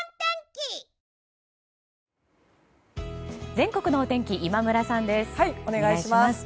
全国のお天気今村さんです、お願いします。